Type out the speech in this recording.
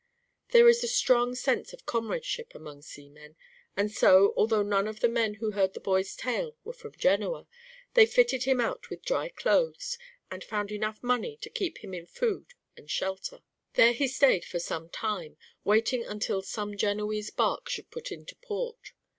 There is a strong sense of comradeship among seamen, and so, although none of the men who heard the boy's tale were from Genoa, they fitted him out with dry clothes and found enough money to keep him in food and shelter. There he stayed for some time, waiting until some Genoese bark should put into port.